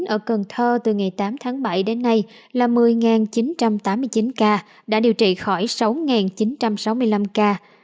ở cần thơ từ ngày tám tháng bảy đến nay là một mươi chín trăm tám mươi chín ca đã điều trị khỏi sáu chín trăm sáu mươi năm ca